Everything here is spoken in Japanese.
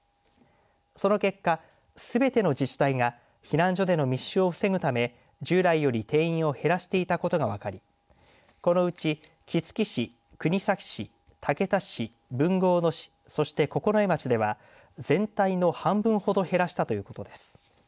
その結果、すべての自治体が避難所での密集を防ぐため従来より定員を減らしていたことが分かりこのうち、杵築市、国東市竹田市、豊後大野市そして九重町では全体の半分ほど減らしたということです。